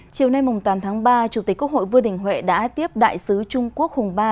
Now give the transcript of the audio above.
chiều nay tám tháng ba chủ tịch quốc hội vương đình huệ đã tiếp đại sứ trung quốc hùng ba